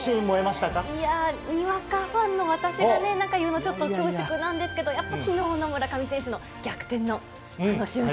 いやー、にわかファンの私がね、なんか言うの恐縮なんですけど、やっぱりきのうの村上選手の逆転のあの瞬間。